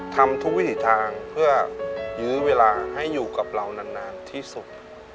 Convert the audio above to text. ทำทุกวิถีทางเพื่อยื้อเวลาให้อยู่กับเรานานที่สุด